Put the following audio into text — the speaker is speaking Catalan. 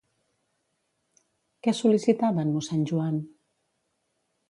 Què sol·licitava en mossèn Joan?